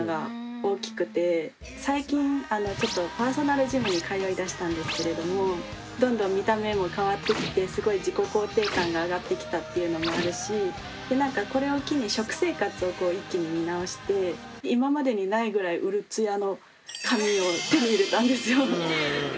最近ちょっとパーソナルジムに通いだしたんですけれどもどんどん見た目も変わってきてすごい自己肯定感が上がってきたっていうのもあるしこれを機に食生活を一気に見直して今までにないぐらいうるつやの髪を手に入れたんですよ。